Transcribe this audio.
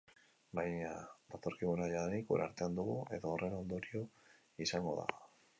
Baina datorkiguna jadanik gure artean dugu, edo horren ondorio izango da.